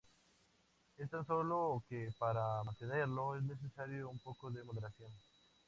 Es tan sólo que para mantenerlo, es necesario un poco de moderación.